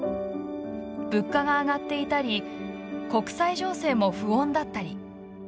物価が上がっていたり国際情勢も不穏だったり。